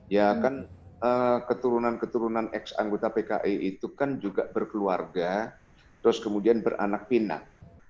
ya kan keturunan keturunan ex anggota pki itu kan juga berkeluarga terus kemudian beranak pinang